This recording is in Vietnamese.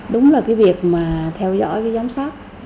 đúng là cái việc mà theo dõi cái giám sát